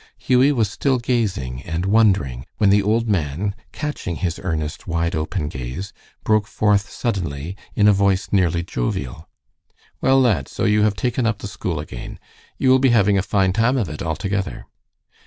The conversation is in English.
Hughie was still gazing and wondering when the old man, catching his earnest, wide open gaze, broke forth suddenly, in a voice nearly jovial, "Well, lad, so you have taken up the school again. You will be having a fine time of it altogether."